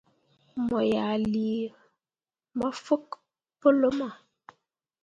Mo gah lii mafokki pu luma.